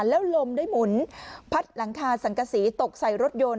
แล้วลมได้หมุนพัดหลังคาสังกษีตกใส่รถยนต์